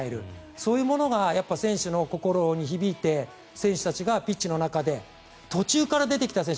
そういうものが選手の心に響いて選手たちがピッチの中で途中から出てきた選手